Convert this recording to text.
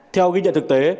theo ghi nhận thực tế